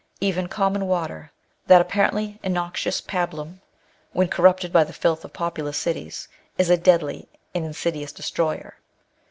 Even common water, that apparently innoxious pabuluviy when corrupted by the filth of populous cities, is a deadly and insidious destroyer.